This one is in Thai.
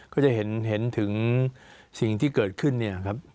ก็จะเห็นถึงสิ่งที่เกิดขึ้นเนี่ยครับ